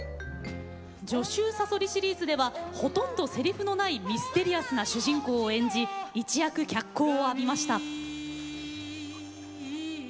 「女囚さそり」シリーズではほとんど、せりふのないミステリアスな主人公を演じ一躍、脚光を浴びました。